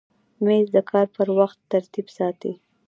مېز د کار پر وخت ترتیب ساتي.